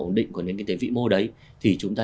ổn định của nền kinh tế vĩ mô đấy thì chúng ta